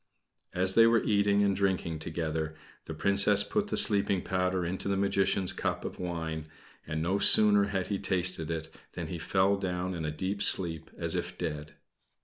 As they were eating and drinking together, the Princess put the sleeping powder into the Magician's cup of wine and no sooner had he tasted it than he fell down in a deep sleep as if dead.